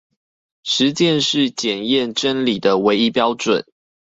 實踐是檢驗真理的唯一標準